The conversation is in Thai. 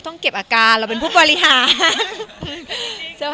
ต้องเก็บอาการเราเป็นผู้บริหาร